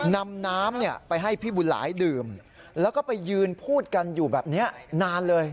นำน้ำไปให้พี่บุญหลายดื่มแล้วก็ไปยืนพูดกันอยู่แบบนี้นานเลย